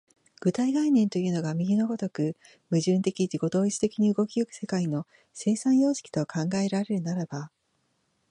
具体概念というのが右の如く矛盾的自己同一的に動き行く世界の生産様式と考えられるならば、